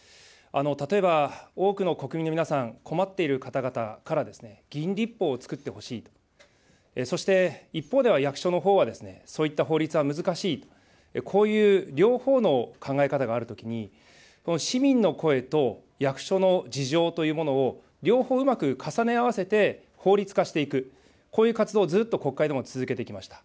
例えば多くの国民の皆さん、困っている方々から議員立法をつくってほしいと、そして一方では役所のほうはそういった法律は難しい、こういう両方の考え方があるときに、市民の声と役所の事情というものを両方うまく重ね合わせて法律化していく、こういう活動をずっと国会でも続けてきました。